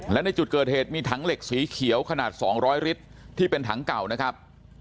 และในจุดเกิดเหตุมีถังเหล็กสีเขียวขนาด๒๐๐ลิตรที่เป็นถังเก่านะครับ